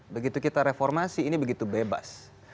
begitu kita reformasi ini begitu bebas